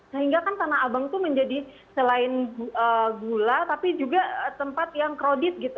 sehingga kan tanah abang itu menjadi selain gula tapi juga tempat yang krodit gitu